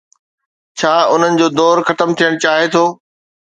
ڇا انهن جو دور ختم ٿيڻ چاهي ٿو؟